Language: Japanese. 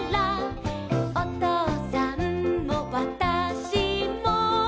「おとうさんもわたしも」